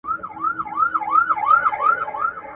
پخواني سبکونه په ملي اوزانو ولاړ وو.